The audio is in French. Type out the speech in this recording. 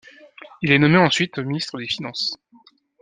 Il est nommé ensuite ministre des Finances.